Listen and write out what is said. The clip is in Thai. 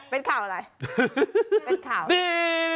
เป็นข่าวอะไร